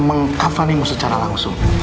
mengkafanimu secara langsung